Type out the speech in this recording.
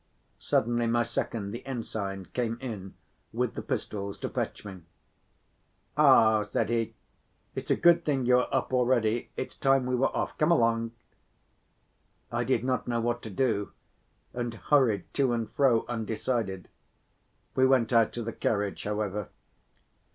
Suddenly my second, the ensign, came in with the pistols to fetch me. "Ah," said he, "it's a good thing you are up already, it's time we were off, come along!" I did not know what to do and hurried to and fro undecided; we went out to the carriage, however.